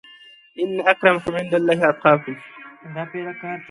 ان اکرمکم عندالله اتقاکم